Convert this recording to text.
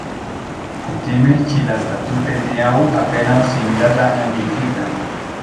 Kutime ĉi-lasta tute ne aŭ apenaŭ similas la angligitan.